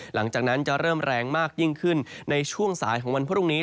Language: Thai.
หลังจากนั้นจะเริ่มแรงมากยิ่งขึ้นในช่วงสายของวันพรุ่งนี้